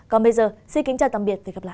còn bây giờ xin kính chào tạm biệt và hẹn gặp lại